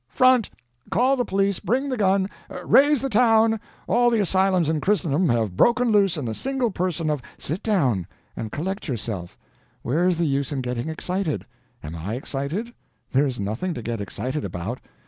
Front! call the police bring the gun raise the town! All the asylums in Christendom have broken loose in the single person of " "Sit down! And collect yourself. Where is the use in getting excited? Am I excited? There is nothing to get excited about.